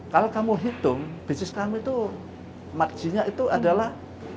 kalau kamu hitung bisnis kamu itu marginya itu adalah